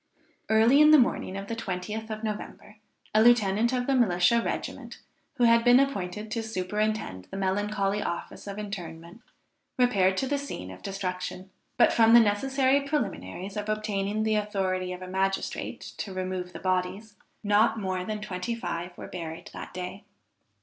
Early in the morning of the 20th of November, a lieutenant of the militia regiment who had been appointed to superintend the melancholy office of interment, repaired to the scene of destruction. But from the necessary preliminaries of obtaining the authority of a magistrate to remove the bodies, not more than twenty five were buried that day.